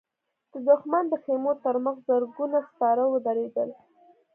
د دښمن د خيمو تر مخ زرګونه سپاره ودرېدل.